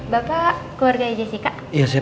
bapak keluarganya jessica